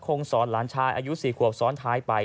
ของซอดหลานชายอายุสี่ครับซ้อมท้ายไป